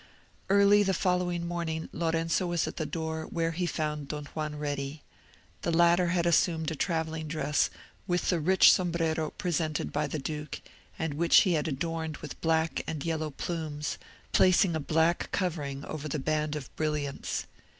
Early the following morning Lorenzo was at the door, where he found Don Juan ready. The latter had assumed a travelling dress, with the rich sombrero presented by the duke, and which he had adorned with black and yellow plumes, placing a black covering over the band of brilliants.